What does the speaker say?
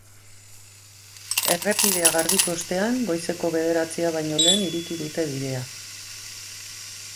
Errepidea garbitu ostean, goizeko bederatziak baino lehen ireki dute bidea.